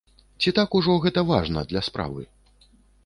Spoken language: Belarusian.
Ці так ужо гэта важна для справы?